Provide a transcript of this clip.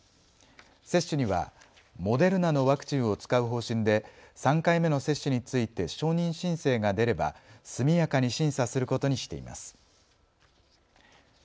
接種にはモデルナのワクチンを使う方針で３回目の接種について承認申請が出れば速やかに審査することにしています。